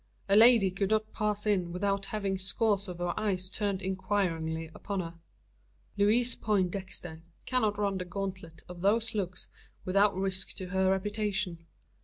A lady could not pass in without having scores of eyes turned inquiringly upon her. Louise Poindexter cannot run the gauntlet of those looks without risk to her reputation.